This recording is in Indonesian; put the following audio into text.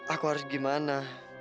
aku harus gimana